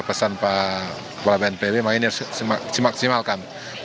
pesan pak bnpw makanya harus dimaksimalkan